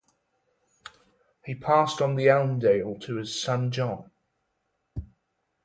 He passed on the Elmdale to his son John.